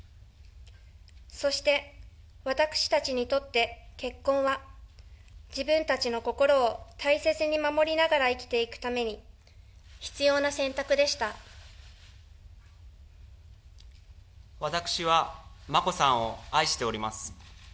そして私たちにとって結婚は、自分たちの心を大切に守りながら生きていくために、必要な選択で私は、眞子さんを愛しております。